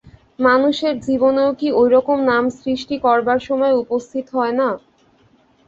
মানুষের জীবনেও কি ঐ রকমের নাম সৃষ্টি করবার সময় উপস্থিত হয় না।